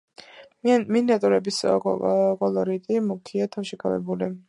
მინიატიურების კოლორიტი მუქია, თავშეკავებული.